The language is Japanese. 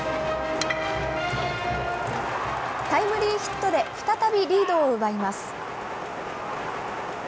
タイムリーヒットで再びリードを奪います。